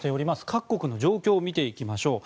各国の状況を見ていきましょう。